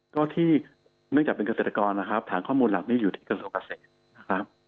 ก็ที่เนื่องจากเป็นเกษตรกรนะครับฐานข้อมูลหลักนี้อยู่ที่กระทรวงเกษตรนะครับ